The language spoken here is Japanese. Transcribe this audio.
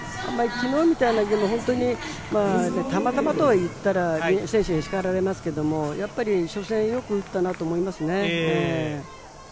昨日みたいなゲームはたまたまといったら選手に叱られますけど、やはり初戦よく打ったなと思いますね。